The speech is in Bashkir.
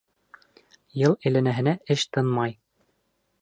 Йыл әйләнәһенә эш тынмай.